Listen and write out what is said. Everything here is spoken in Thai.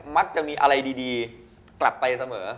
มักจะมีอะไรดีกลับไปเสมอ